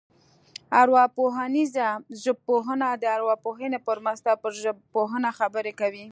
ارواپوهنیزه ژبپوهنه د ارواپوهنې په مرسته پر ژبپوهنه خبرې کوي